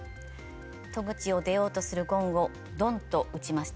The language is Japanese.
「戸口を出ようとするごんをドンとうちました。